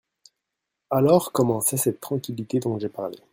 Alors commençait cette tranquillité dont j'ai parlé.